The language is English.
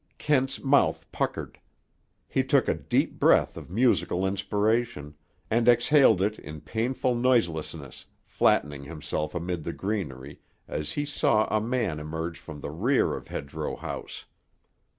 Kent's mouth puckered. He took a deep breath of musical inspiration—and exhaled it in painful noiselessness, flattening himself amid the greenery, as he saw a man emerge from the rear of Hedgerow House.